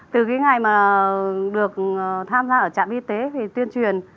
từ cái ngày mà được tham gia ở trạm y tế thì tuyên truyền